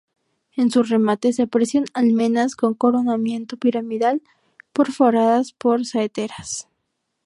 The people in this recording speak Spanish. En sus remates se aprecian almenas con coronamiento piramidal perforadas por saeteras.